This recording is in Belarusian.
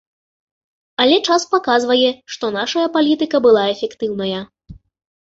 Але час паказвае, што нашая палітыка была эфектыўная.